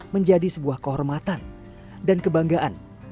menjadi sebuah kehormatan dan kebanggaan